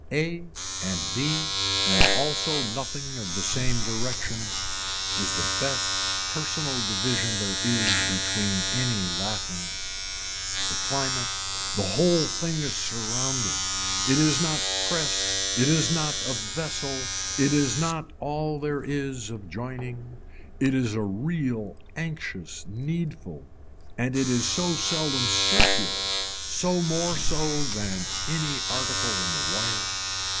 A and B and also nothing of the same direction is the best personal division there is between any laughing. The climate, the whole thing is surrounded, it is not pressed, it is not a vessel, it is not all there is of joining, it is a real anxious needful and it is so seldom circular, so more so than any article in the wire.